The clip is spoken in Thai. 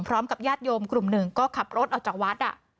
พร้อมกับญาติโยมกลุ่มหนึ่งก็ขับรถออกจากวัด